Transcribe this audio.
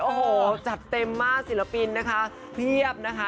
โอ้โหจัดเต็มมากศิลปินนะคะเพียบนะคะ